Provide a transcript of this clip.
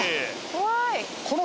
怖い。